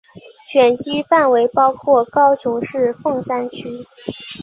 选区范围包括高雄市凤山区。